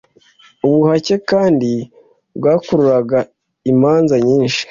Ubuhake kandi, bwakururaga imanza nyinshi.